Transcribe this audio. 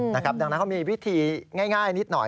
ดังนั้นเขามีวิธีง่ายนิดหน่อย